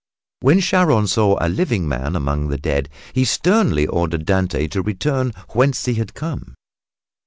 When Charon saw a living man among the dead he sternly ordered Dante to return whence he had come.